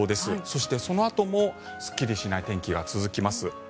そしてそのあともすっきりしない天気が続きます。